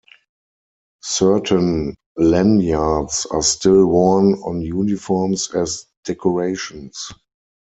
Certain lanyards are still worn on uniforms as decorations.